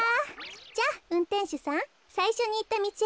じゃあうんてんしゅさんさいしょにいったみちへむかってください。